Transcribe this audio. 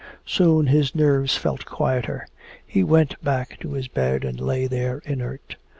Soon his nerves felt quieter. He went back to his bed and lay there inert.